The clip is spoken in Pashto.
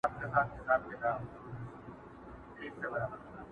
ښه په کټ کټ مي تدبير را سره خاندي،